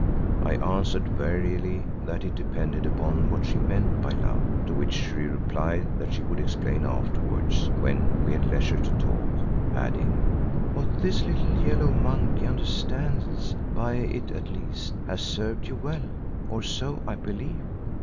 I answered warily that it depended upon what she meant by love, to which she replied that she would explain afterwards when we had leisure to talk, adding, "What this little yellow monkey understands by it at least has served you well, or so I believe.